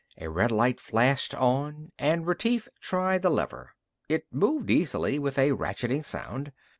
A red light flashed on, and Retief tried the lever. It moved easily, with a ratcheting sound.